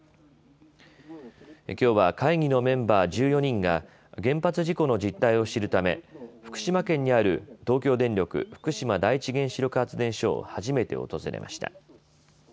きょうは会議のメンバー１４人が原発事故の実態を知るため福島県にある東京電力福島第一原子力発電所を初めて訪れました。